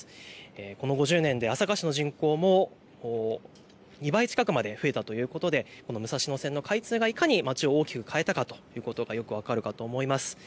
この５０年で朝霞市の人口も２倍近くまで増えたということで武蔵野線の開通がいかに街を大きく変えたかが分かるかと思います。